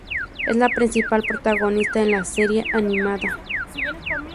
Es la principal protagonista en la serie animada.